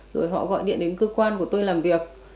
rồi họ gọi điện đến cơ quan của tôi làm việc